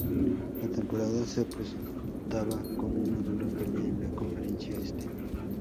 La temporada se presentaba con una dura pelea en la Conferencia Este.